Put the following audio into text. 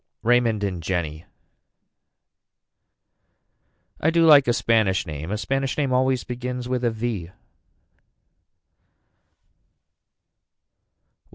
Raymond and Jenny. I do like a Spanish name a Spanish name always begins with a V.